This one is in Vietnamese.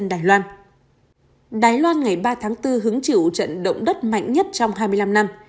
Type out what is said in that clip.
đài loan ngày ba tháng bốn hứng chịu trận động đất mạnh nhất trong hai mươi năm năm